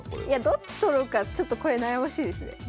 どっち取ろうかちょっとこれ悩ましいですねこれ。